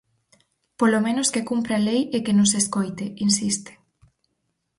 "Polo menos que cumpra a lei e que nos escoite", insiste.